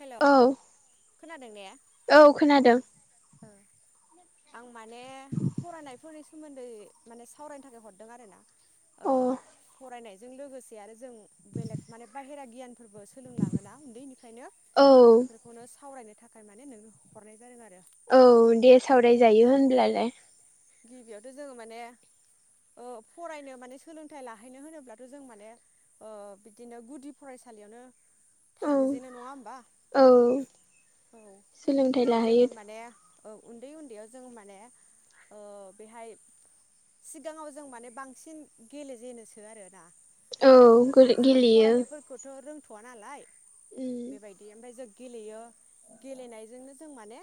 हेल' औ खोनादों ने ओ औ खोनादों। आं माने फरायनायफोरनि सोमोन्दै माने सावरायनो थाखाय हरदों आरोना। ओ अ फरायनायजों लोगोसे आरो जों बेलेग माने बाहेरा गियानबो सोलोंलांहोना उन्दैनिफ्रायनो औ बेफोरखौनो सावरायनो थाखाय माने नोंनो हरनाय जादों आरो औ दे सावरायजायो औ होनब्लालाय। गिबियावथ' जोङो माने ओ फरायनो माने सोलोंथाइ लाहैनो होनोब्लाथ' जों माने ओ बिदिनो गुदि फरायसालियावनो औ थांजेनो नङा होमबा। औ औ सोलोंथाइ बेहाय लाहैयो जोङो माने औ उन्दै उन्दैयाव जों माने ओ बेहाय सिगाङाव जों माने बांसिन गेलेजेनोसो आरोना‌। औ जों गेलेयो फरायनायफोरखौथ' रों थ'वा नालाय उम बेबायदि ओमफ्राय जों गेलेयो गेलेनायजोंनो जों माने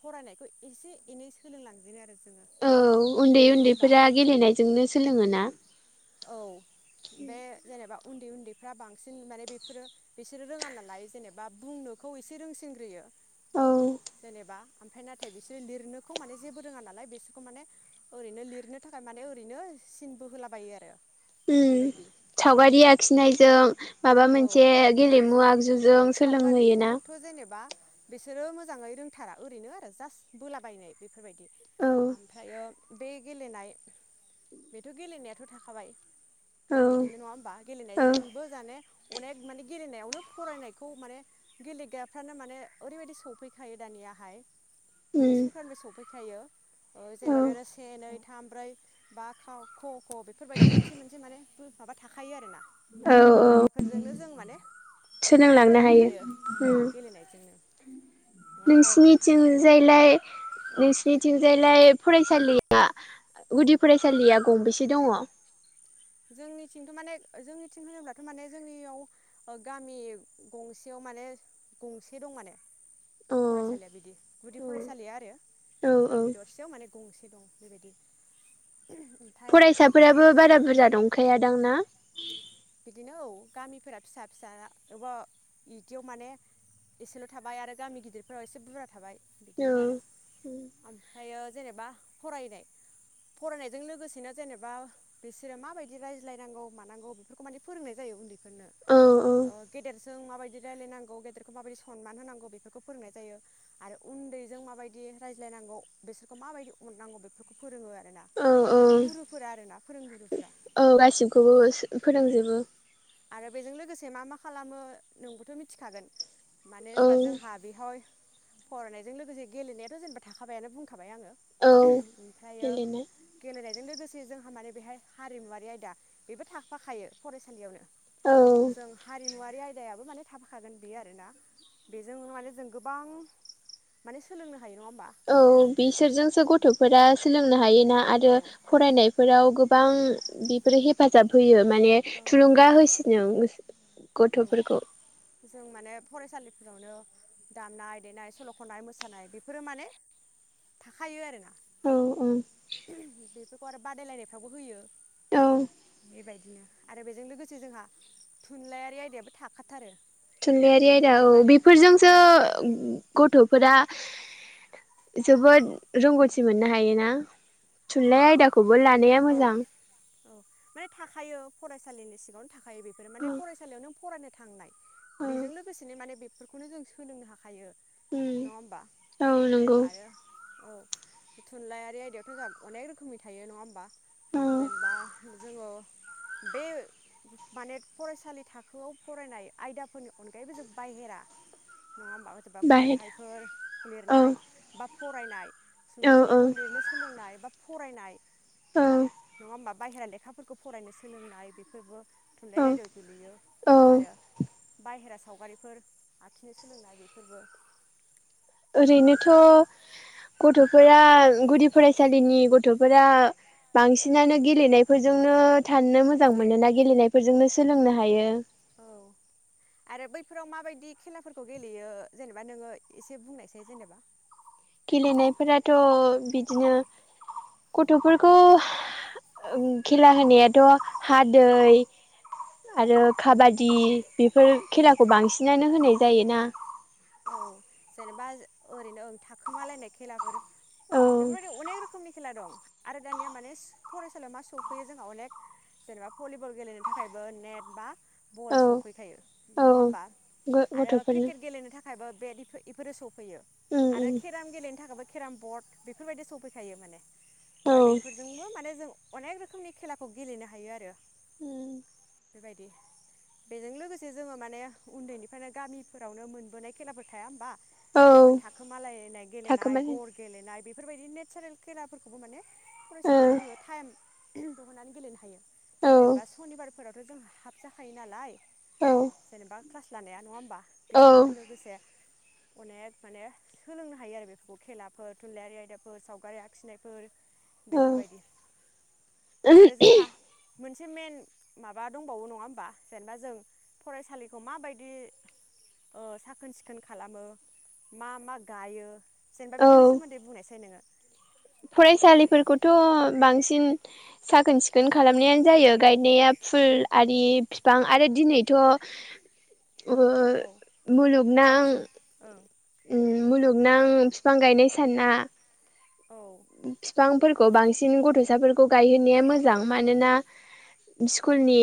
फरायनायखौ एसे एनै सोलोंलांजेनो आरो जो औ उन्दै उन्दैफोरा गेलेनायजोंनो सोलोङोना। औ। बे जेनेबा उन्दै उन्दैफ्रा बांसिन माने बेफोरो बिसोरो रोङा नालाय जेनेबा बुंनोखौ एसे रोंसिनग्रोयो। औ जेनेबा ओमफ्राय नाथाय बिसोरो लिरनोखौ माने जेबो रोङा नालाय बिसोरखौ माने ओरैनो लिरनो थाखाय माने ओरैनो सिनबो होलाबायो आरो उम बेबायदि सावगारि आखिनायजों माबा औ मोनसे गेलेमु आगजु जों सोलोंहोयोना। बा बिसोरो मोजांङै रोंथारा ओरैनो आरो जास बोलाबायनाय बे बफोरबायदि। औ ओमफ्रायो बे गेलेनाय बेथ' गेलेनायाथ' थाखाबाय, औ बिदिनो नङा होमबा औ गेलेनायजोंबो जाने, अनेक मानि गेलेनायावनो फरायनायखौ माने गेलेग्राफ्रानो माने ओरैबायदि सफैखायो दानियाहाय माने उम सरखारनि सौफैय, खायो ओ औ जेनेबा बेयावनो से नै, थाम, ब्रै, बा खाव फौव ख' बेफोरबायदि मोनसे मोनसे माने, माबा थाखायो आरो ना? औ औ ओमफ्राय बेफोरजोंनो जों माने, सोलोंलांनो फरायलांनो हायो। औ गेलेनायजोंनो ओमफ्राय नोंसिनिथिंजायलाय औ नोंसिनिथिंजायलाय फरायसालिया गुदि फरायसालिया गंबेसे दङ? जोंनिथिंथ' माने जोंनिथिं होनोब्लाथ' माने जोंनियाव गामि गंसेयाव माने गंसे दं माने अ फरायसालिया बिदि गुदि फरायसालिया आरो औ औ गामि दरसेयाव माने गंसे। दं बेबायदि ओमफ्राय फरायसाफोराबो बारा बुरजा दं। खायादांना? बिदिनो औ गामिफोरा फिसा फिसा बबा बिदियाव माने एसेल' थाबाय आरो गामि गिदिरफोराव एसे बुरजा थाबाय। औ बिदिनो आरो ओमफ्रायो। जेनेबा फरायनाय फरायनायजों लोगोसेनो जेनेबा बिसोरो माबायदि रायज्लायनांगौ मानांगौ। माने फोरोंनाय जायो उन्दै औ औ ओ गेदेर जों माबायदि रायलायनांगौ गेदेरखौ माबायदि सनमान होनांगौ बेफोरखौ फोरोंनाय जायो आरो उन्दैजों माबायदि रायज्लायनांगौ बेसोरखौ माबायदि अननांगौ बेफोरखौ फोरोङो। औ औ माने गुरुफोरा आरोना फोरोंगुरुफोरा। औ फोनांजोबो। आरो बेजों लोगोसे मा मा खालामो नोंबोथ' मिथिखागोन। मानो औ होनबा जोंहा बेहय फरायनायजों लोगोसे गेलेनायाथ' जेनेबा थाखाबायानो बुं खाबाय आङो, औ ओमफ्रायो गेलेनाय गेलेनाय जों लोगोसे जोंहा माने बेहाय हारिमुवारि आयदा बेबो थाख फाखायो फरायसालियावनो। औ जों हारिमुवारि बे आयदायाबो माने थाफाखागोन बेयो आरोना बेजों माने जों गोबां माने सोलोंनो हायो नङा होमबा? औ औ बिसोरजोंसो गथ' फोरा सोलोंनो हायो ना औ आरो फरायनाय फोराव गोबां बेफोरो हेफाजाब होयो माने औ थुलुंगा होसि [unintelligible] औ गथ'फोरखौ जों माने फरायसालिफोरावनो दामनाय देनाय सल' ख'नाय मोसानाय बेफोरो माने थाखायो आरोना औ औ खौ आरो बादायलायनायफ्रावबो होयो औ बेबायदिनो आरो बेजों लोगोसे जोंहा थुनलाया रि आयदायाबो थाखाथारो। थुनलाइयारि आयदा बे औ माने उम बेफोरजोंसो गथ'फोरा जोबोद रोंगौथि मोननो हायोना। नां औ बेफोर मा औ माने थाखायो फरायसालिनि [unintelligible] थाखायो बेफोर माने औ फरायसालियाव नों फरायनो। थांनाय। औ बेजों लोगोसेनो माने बे बेफोरखौनो जों सोलोंनो हा हायो नङा होमबा औ नंगौ आरो औ। थुनलाइयारि आयदायावथ' जों अनेक रोखोमनि थायो नङा होमबा। औ जेनेबा जोङो बे माने फरायसालि थाखोआव फरायनाय आयदाफोरनि अनगायैबो जों बाहेरा। नङा होनबा बाहेरा खन्थाइफोर औ लिरनाय बा। फरायनाय। औ सुंद' औ सल'फोर लिरनो सोलोंनाय बा। फरायनाय। औ। नङा होमबा बाहेरा लेखाफोरखौ फरायनो सोलोंनाय बेफोरबो थुनलाइआरि औ आयदाआव गोलैयो औ आरो बाहेरा सावगारिफोर आखिनो सोलोंनाय बेफोरबो ओरैनोथ' गथ'फोरा गुदि फरायसालिनि गथ'फोरा बांसिनानो गेलेनायफोरजोंनो थानो मोजां मोनोना गेलेनायफोरजोंनो सोलोंनो हायो। औ आरो बैफोराव मा बायदि खेलाफोरखौ गेलेयो जेनेबा नोङो एसे बुंनायसै जेनेबा। गेलेनायफोराथ' बिदिनो गथ'फोरखौ खेला होनायाथ' हा, दै आरो काबादि बेफोर खेलाखौ बांसिनानो होनाय जायोना। औ जेनेबा ओरैनो थाखोमालायनाय खेलाफोर। औ बेफोर बायदि अनेक रोखोमनि खेला दं। आरो दानिया माने फरायसालियाव मा सफैयो जोंहा अनेक जेनेबा भलिबल गेलेनो थाखायबो नेट बा बल औ सफैखायो औ नङा होमबा आरो गथ'फोरनो क्रिकेट गेलेनो थाखाय खायबा बेफोरो [unintelligible] फैयो उम आरो उम केराम गेलेनो थाखायबो। केराम बर्ड बेफोर बायदि सफैखायो माने। औ ओमफ्राय बेफोरजोंबो माने जों अनेक रोखोमनि खेलाखौ गेलेनो हायो आरो। उम। बायदि बेजों लोगोसे जोङो माने उन्दैनिफ्रायनो गामिफोरावनो मोनोबोनाय खेलाबो थाया होमबा औ जेनेबा थाखोमालायनाय गेलेनाय, थाखोमालाय गर गेलेनाय बेफोरबायदि नेचारेल खेलाफोरखौबो माने औ फरायसालियाव जोङो टाइम दिहुननानै गेलेनो हायो‌। औ जेनेबा सनिबार फोरावथ' जों हाबजाखायो नालाय औ जेनेबा क्लासलानाया नङा होमबा? औ बेहाय जोंनो [unintelligible] अनेक माने सोलोंनो हायो आरो बेफोरखौ खेलाफोर थुनलाइयारि आयदाफोर सावगारि आखिनायफोर बेफोरबायदि आरो जोंहा मोनसे मेन माबा दंबावो नङा होमबा जेनेबा जों फरायसालिखौ माबायदि ओ साखोन सिखोन [unintelligible] खालामो मा मा गायो? जेनेबा औ बेनि सोमोन्दै बुंनायसाय नोङो। फरायसालिफोरखौथ' बांसिन साखोन- सिखोन खालामनायानो जायो गायनाया फुल आरि बिफां आरो दिनैथ' ओ औ मुलुगनां फाइभ जुन ओं ओम मुलुग नों फिफां गायनाय सानना औ फिफांफोर बांसिन गथ'साफोरखौ गायहोननाया मोजां मानोना स्कुलनि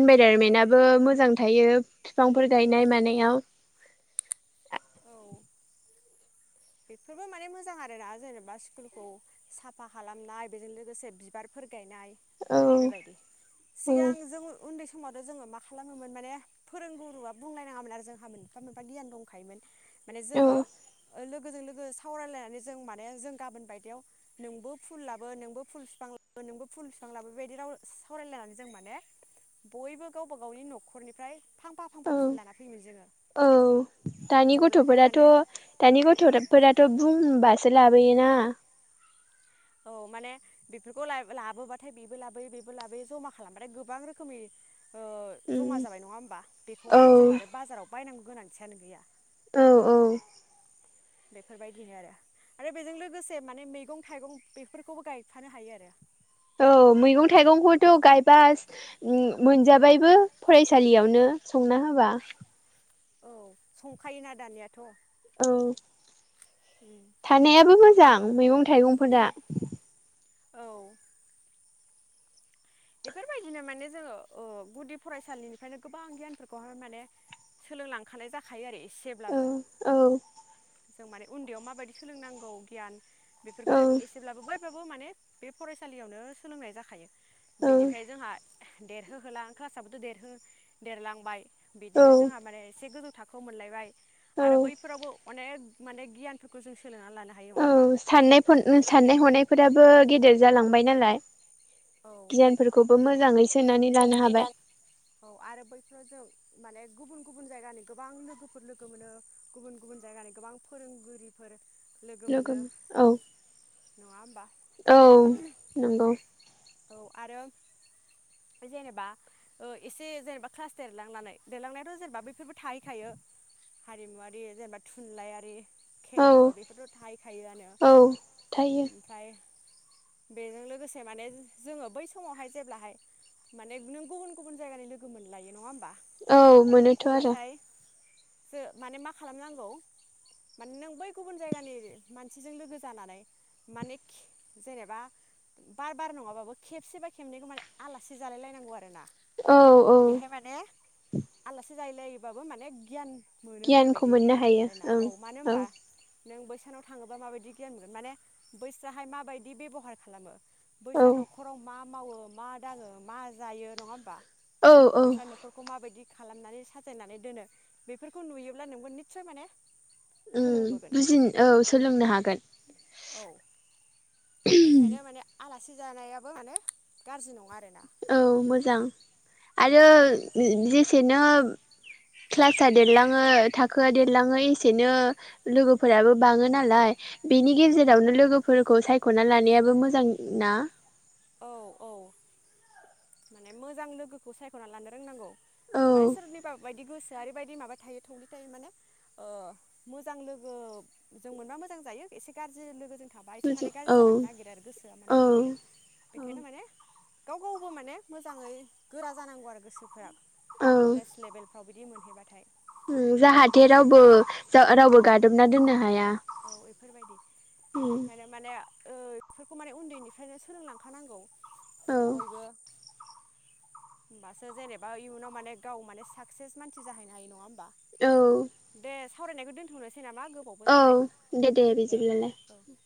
इनभाइरनमेन्टाबो मोजां थायो फिफांफोर गायनाय मानायाव औ बेफोरबो माने मोजां आरोना जेनेबा स्कुलखौ साफा खालामनाय बेजों लोगोसे बिबारफोर गायनाय औ बेबायदि औ सिगां जों उन्दै स समावथ' जोङो मा खालामोमोन माने फोरोंगुरुवआ बुंलायनाङामोन आरो जोंहा मोनफा मोनफा गियान दंखायोमोन माने औ जोङो लोगोजों लोगो सावरायलायनानै जों माने जों गाबोन बायदियाव नोंबो फुल लाबो नोंबो फुल फिफां लाबो नोंबो फुल फिफां लाबो बेबायदि राव सावरायलायनानै जों माने बयबो गावबा गावनि न'खरनिफ्राय फांफा फांफा औ फुल लाना फैयोमोन जोङो औ दानि अब्लाथाय माने गथ'फोराथ' दानि गथ' औ फोरथ' बुंबासो लाबोयोना औ माने बेफोरखौ लाइ लाबोबाथाय बेबो लाबोयो बेबो लाबोयो जमा खालामबाथाय गोबां रोखोमनि ओ जमा औ जाबाय नङा होमबा बेखौहाय जों आरो बाजाराव बायनांगौ गोनां थियानो गैया औ औ बेफोरबायदिनोआरो आरो बेजों लोगोसे माने मैगं थाइगं बेफोरखौबो गायफानो हायोआरो औ मैगं थाइगंखौथ' गायबा मोनजाबाय बो फरायसालियावनो संना होबा औ संखायोना दानियाथ' औ उम थानायाबो मो जां मैगं थाइगंफोरा औ बेफोरबायदिनो माने जोङो ओ गुदि फरायसालिनिफ्रायनो गोबां गियानफोरखौहाय माने सोलोंलांखानाय जाखायो आरो औ एसेब्लाबो औ जों माने उन्दैयाव माबायदि सोलोंनांगौ गियान बेफोरखो औ जों एसेब्लाबो बो बाबो माने बे फरायसालियावनो सोलोंनाय जाखायो औ बिनिफ्राय जोंहा देरहोहोलां क्लासाबोथ' देरहो देरलांबाय औ बिदिनो जोंहा माने एसे गोजौ थाखोआव मोनलायबाय औ आरो बैफोरावबो अनेक माने गियानफोरखौ जों सो औ साननाय साननाय हनाय फोराबो गेदेर जालांबाय नालाय गियानफोरखौबो मोजाङै सो सोननानै ला औ आरो बैफोराव जों माने गुबुन गुबुन जायगानि गोबां लोगोफोर लोगो मोनो गुबुन गुबुन जायगानि गोबां फोरोंगिरिफोर लोगो औ नङा होमबा औ नंगौ औ आरो बे जेनेबा ओ एसे जेनेबा क्लास देरलांनानै देरलांनायाथ' जेनेबा बैफोरबो थाहैखायो हारिमुवारि जेनेबा थुनलाइआरि औ खेलाफोर बेफोरथ' थाहैखायोआनो औ थायो ओमफ्राय। बेजों लोगोसे माने जोङो बै समावहाय जेब्लाहाय माने नों गुबुन गुबुन जायगानि लोगो मोनलायो नङा होमबा? औ मोनोथ' आरो। अब्लाथाय जो माने मा खालामनांगौ माने नों बै गुबुन जायगानि मानसिजों लोगो जानानै माने खि जेनेबा बार बार नङाबाबो खेबसेबा खेबनैखौ माने आलासि जालायलायनांगौ आरो ना। औ औ आलासि जाहैलायोबाबो माने गियान मोनो होननाय गियानखौ बायदि मोननो हायो आरो ना ओं औ मानो होनबा नों बैसानाव थाङोबा माबायदि गियान मोनगोन माने बैस्राहाय माबायदि बेब'हार खालामो? औ बैसानाव मा मावो मा दाङो मा जायो नङा होमबा? औ बैस्रा नख'रखौ माबायदि खालामनानै साजायनानै दोनो बेफोरखौ नुयोब्ला नोंबो निस्सय माने उम सोलोंबोगोन बुजिन औ सोलोंनो हागोन। औ बेखायनो माने आलासि जानायाबो बो माने गाज्रि नङा आरो औ मोजां आरो उम जेसेनो क्लासआ देरलाङो थाखोआ देरलाङो एसेनो लोगोफोराबो बाङो नालाय बेनि गेजेरावनो लोगोफोरखौ सायख'ना लानायाबो मोजां ना। औ औ। माने मोजां लोगोखौ सायख'नानै लानो रोंनांगौ। औ माने सोरनिबा बायदि गोसोआ ओरै बायदि माबा थायो माने मोजां लोगोजों मोनबा मोजां जायो एसे गारजि लोगोजों थाबा एसे माने गाज्रि औ जालांनो नागिरो आरो गोसोआ माने बिदि थायो बेखायनो माने गाव गावबो माने मोजाङै गोरा जानांगौ आरो गोसो फोरा कलेज लेभेल फ्रव बिदि मोन हैबाथाय। उम जाहाथे रावबो जा रावबो गा दबना दोननो हाया। औ एफोरबायदि औ बेखायनो माने ओ इफोरखौ माने उन्दैनिफ्रायनो सोलोंलांखानांगौ बयबो। होमबासो जेनेबा इयुनाव माने गाव माने साकसेस मानसि जाहैनो हायो नङा? ओम सावरायखौ दोनथ'नोसै नामा गोबावबो जाबाय। दे दे बिदिब्लालाय औ उम।